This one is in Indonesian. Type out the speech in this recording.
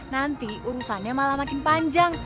nanti urusannya malah makin panjang